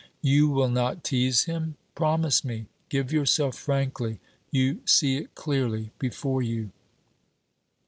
You will not tease him? Promise me. Give yourself frankly. You see it clearly before you.'